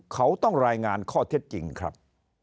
เขาต้องรายงานข้อเท็จจริงครับ